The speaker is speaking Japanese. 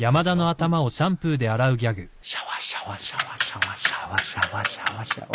シャワシャワシャワシャワシャワシャワシャワシャワ。